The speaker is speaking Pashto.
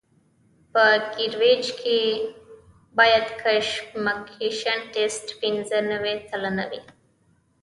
په کیریج وې کې باید کمپکشن ټسټ پینځه نوي سلنه وي